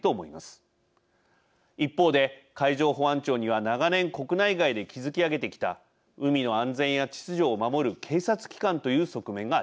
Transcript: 一方で海上保安庁には長年国内外で築き上げてきた海の安全や秩序を守る警察機関という側面があります。